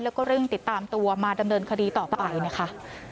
แล้วก็เร่งติดตามตัวมาดำเนินคดีต่อไปนะคะ